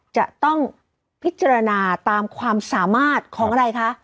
จะต้องพิจารณาตามความสามารถของอะไรคะ